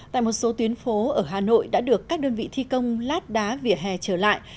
tại một số tuyến phố ở hà nội đã được các đơn vị thi công lát đá vỉa hè trở lại